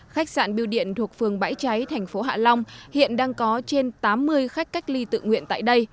khách sạn biêu điện thuộc phường bãi cháy thành phố hạ long hiện đang có trên tám mươi khách cách ly tự nguyện tại đây